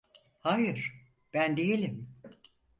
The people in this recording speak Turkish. Hayır, ben değilim.